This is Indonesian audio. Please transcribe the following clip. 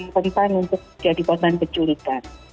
rentan untuk jadi korban penculikan